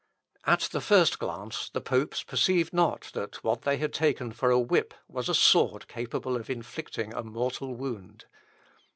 At the first glance the popes perceived not that what they had taken for a whip was a sword capable of inflicting a mortal wound.